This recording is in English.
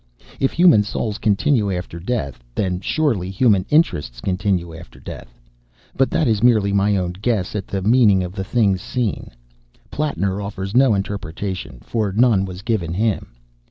If human souls continue after death, then surely human interests continue after death. But that is merely my own guess at the meaning of the things seen. Plattner offers no interpretation, for none was given him.